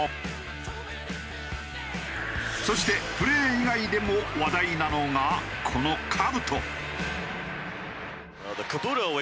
そしてプレー以外でも話題なのがこの兜。